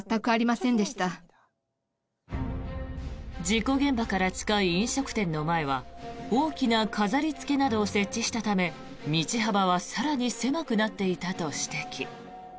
事故現場から近い飲食店の前は大きな飾りつけなどを設置したため道幅は更に狭くなっていたと指摘。